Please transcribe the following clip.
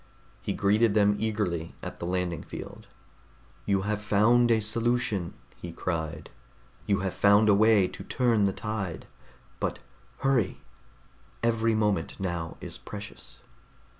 He greeted them eagerly at the landing field. "You have found a solution!" he cried. "You have found a way to turn the tide but hurry! Every moment now is precious."